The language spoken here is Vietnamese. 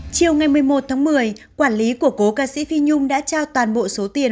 chiều ngày một mươi một tháng một mươi quản lý của cố ca sĩ phi nhung đã trao toàn bộ số tiền